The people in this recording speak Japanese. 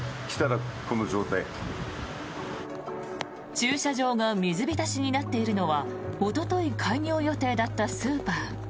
駐車場が水浸しになっているのはおととい開業予定だったスーパー。